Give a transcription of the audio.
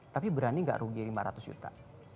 tapi berani nggak rugi lima ratus juta